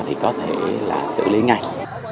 thì có thể là xử lý ngay